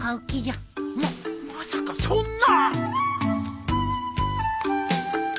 ままさかそんな。